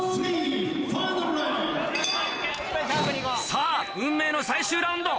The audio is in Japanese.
さぁ運命の最終ラウンド。